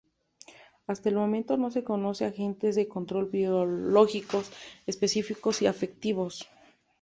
Hasta el momento no se conocen agentes de control biológicos específicos y efectivos.